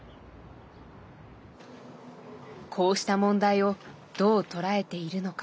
こうした問題をどう捉えているのか。